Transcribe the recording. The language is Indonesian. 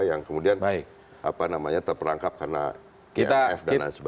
yang kemudian terperangkap karena gf dan lain sebagainya